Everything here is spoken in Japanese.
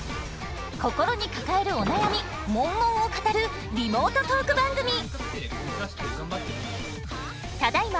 心に抱えるお悩みモンモンを語るリモートトーク番組！